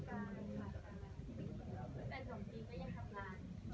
เป็นสองปีก็อย่าทำงาน